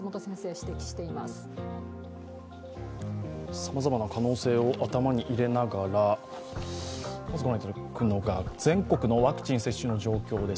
さまざまな可能性を頭に入れながら、ご覧いただくのが、全国のワクチン接種の状況です。